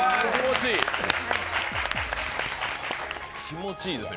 気持ちいい。